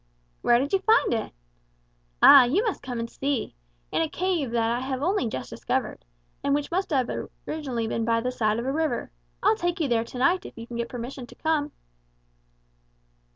"Where did you find it?" "Ah, you must come and see! In a cave that I have only just discovered, and which must originally have been by the side of a river. I'll take you there to night if you can get permission to come."